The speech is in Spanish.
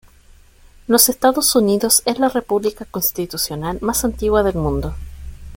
Los Estados Unidos es la República Constitucional más antigua del mundo.